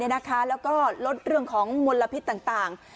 แล้วก็ลดเรื่องของมลพิษต่าง